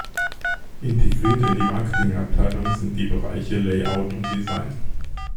Integriert in die Marketingabteilung sind die Bereiche Layout und Design.